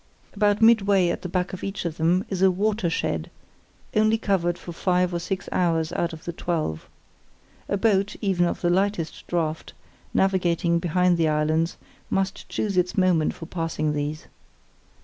About midway at the back of each of them is a "watershed", only covered for five or six hours out of the twelve. A boat, even of the lightest draught, navigating behind the islands must choose its moment for passing these.